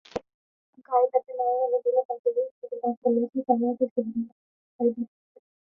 গায়ে তাদের নানা রঙের ঢিলে পাঞ্জাবি, হাতে বাঁশের লাঠি, কারও হাতে সারিন্দা।